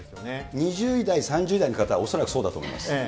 ２０位台、３０位台の方は恐らくそうだと思います。